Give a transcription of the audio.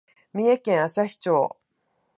三重県朝日町